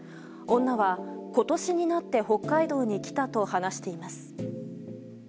女は今年になって北海道に来たと話しています。